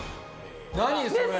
何それ？